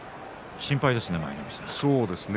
心配ですね。